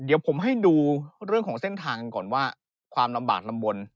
เดี๋ยวผมให้ดูเรื่องของเส้นทางกันก่อนว่าความลำบากลำบล